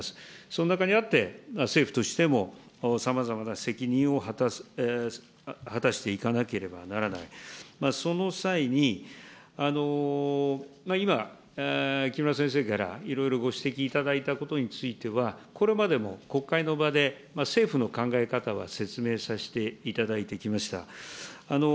その中にあって、政府としてもさまざまな責任を果たしていかなければならない、その際に、今、木村先生からいろいろご指摘いただいたことについては、これまでも国会の場で、政府の考え方は説明させていただいてきました。